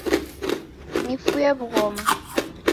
Nifuye wughoma